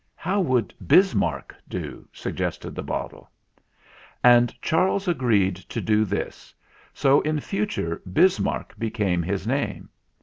"How would 'Bismarck' do?" suggested the bottle. And Charles agreed to do this, so in future Bismarck became his name.